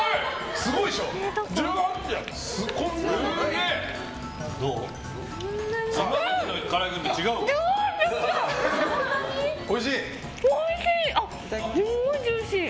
すごいジューシー。